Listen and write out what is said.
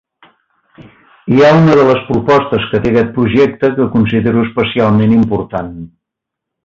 Hi ha una de les propostes que té aquest projecte que considero especialment important.